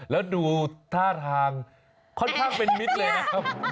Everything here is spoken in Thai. แล้วดูท่าทางค่อนข้างเป็นมิตรเลยนะครับ